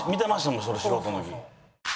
もんそれ素人の時。